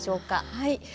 はい。